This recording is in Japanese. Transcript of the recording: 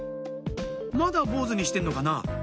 まだ坊ずにしてるのかな？